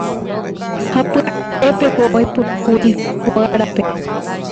Ha pya'épeko oipykúi hóga rape.